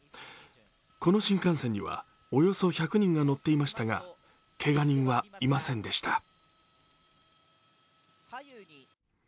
この新幹線にはおよそ１００人が乗っていましたが、けが人はいませんでした。